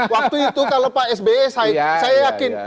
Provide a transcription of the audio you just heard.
waktu itu kalau pak sby saya yakin